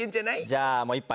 じゃあもう１杯。